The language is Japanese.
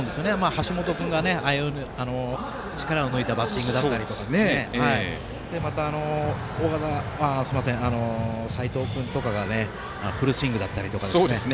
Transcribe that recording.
橋本君が力を抜いたバッティングだったりとかまた、齋藤君とかはフルスイングだったり。